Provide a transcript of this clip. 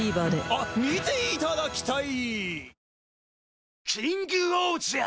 あっ見ていただきたい！